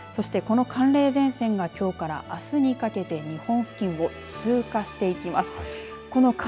この寒冷前線があすにかけて日本付近を通過していきます。